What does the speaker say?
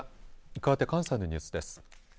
かわって関西のニュースです。